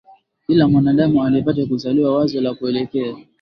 kila mwanadamu aliyepata kuzaliwa Wazo la kuelekea